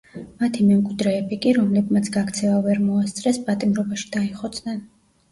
მათი მემკვიდრეები კი, რომლებმაც გაქცევა ვერ მოასწრეს, პატიმრობაში დაიხოცნენ.